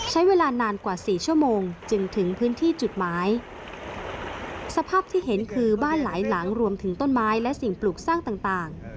หลังรวมถึงต้นไม้และสิ่งปลูกสร้างต่าง